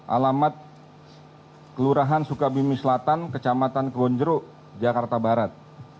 alamat kelurahan soekabimi selatan kecamatan kewonjeru jakarta barat